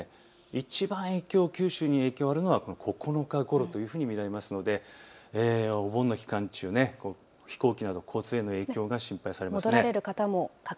いちばん影響があるのは９日ごろというふうに見られますのでお盆の期間中、飛行機など交通への影響が心配されます。